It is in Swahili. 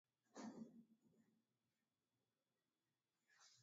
siku ya radio duniani inafanyika februari kumi na tatu kila mwaka